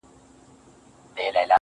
راسه چي زړه مي په لاسو کي درکړم.